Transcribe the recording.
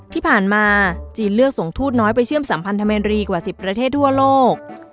ที่ผ่านมาจีนเลือกส่งทูตน้อยไปเชื่อมสัมพันธเมนรีกว่า๑๐ประเทศทั่วโลก